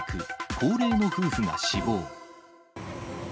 高齢の夫婦が死亡。